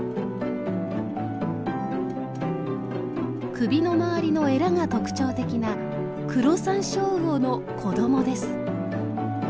首の周りのえらが特徴的なクロサンショウウオの子どもです。